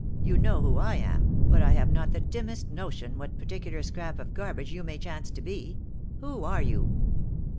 You know who I am, bat I have not the dimmest notion what particular scrap of garbage you may chance to be. Who are you?"